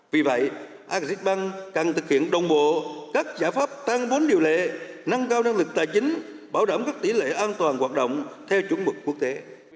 vì vậy agribank cần thực hiện đồng bộ các giả pháp tăng bốn điều lệ năng cao năng lực tài chính bảo đảm các tỷ lệ an toàn hoạt động theo chủng mực quốc tế